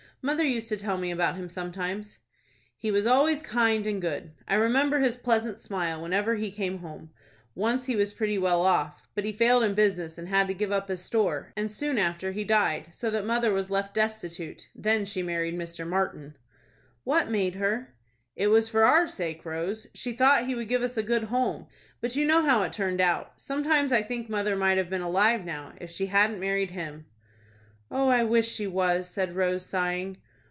Mother used to tell me about him sometimes." "He was always kind and good. I remember his pleasant smile whenever he came home. Once he was pretty well off; but he failed in business, and had to give up his store, and, soon after, he died, so that mother was left destitute. Then she married Mr. Martin." "What made her?" "It was for our sake, Rose. She thought he would give us a good home. But you know how it turned out. Sometimes I think mother might have been alive now, if she hadn't married him." "Oh, I wish she was," said Rose, sighing.